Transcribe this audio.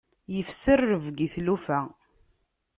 Ifsa rrebg i tlufa.